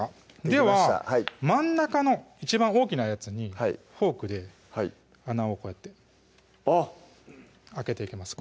では真ん中の一番大きなやつにフォークで穴をこうやってあっ開けていきます